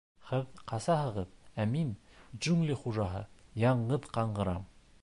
— Һеҙ ҡасаһығыҙ, ә мин, джунгли хужаһы, яңғыҙ ҡаңғырам.